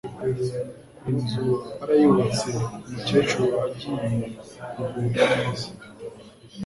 inzu barayubatse umukecuru agiye kugubwa neza,